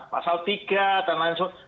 pasal tiga dan lain sebagainya